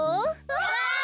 わい！